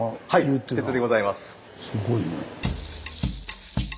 すごいね。